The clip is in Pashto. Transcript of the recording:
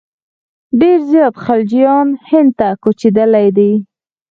ډېر زیات خلجیان هند ته کوچېدلي دي.